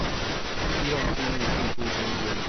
希望盡力釋出空間